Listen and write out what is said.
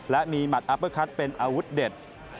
และมีหมัดอัปเปอร์คัทเป็นอาวุธเด็ด